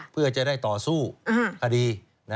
เพื่อจะได้ต่อสู้คดี